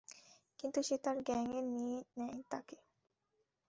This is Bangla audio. কিন্তু সে তার গ্যাংয়ে নিয়ে নেয় তাকে!